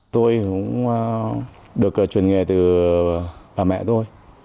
tôi cũng được chuyển nghề từ bà mẹ tôi